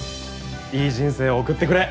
いい人生を送ってくれ。